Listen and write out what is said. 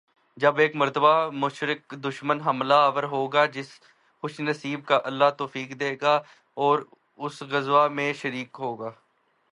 جب ایک مرتبہ مشرک دشمن حملہ آور ہو گا، تو جس خوش نصیب کو اللہ توفیق دے گا وہ اس غزوہ میں شریک ہوگا۔۔